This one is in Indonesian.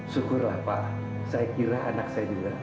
syukurlah pak saya kira anak saya juga